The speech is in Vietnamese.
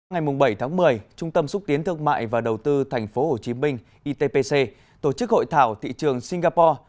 ngày bảy tháng một mươi trung tâm xúc tiến thương mại và đầu tư tp hcm itpc tổ chức hội thảo thị trường singapore